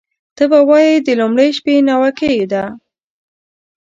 ته به وایې د لومړۍ شپې ناوکۍ ده